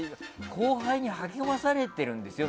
後輩に励まされてるんですよ。